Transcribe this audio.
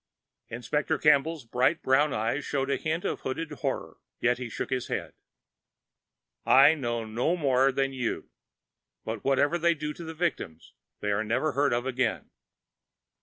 Inspector Campbell's bright brown eyes showed a hint of hooded horror, yet he shook his head. "I know no more than you. But whatever they do to the victims, they are never heard of again."